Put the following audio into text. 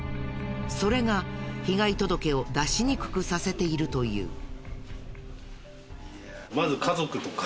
それが被害届を出しにくくさせているという。